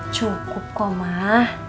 cukup kok mah